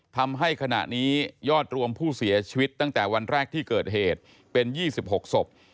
ทำให้ขณะนี้ยอดรวมผู้เสียชีวิตตั้งแต่วันแรกที่เกิดเหตุเป็น๒๖ศพ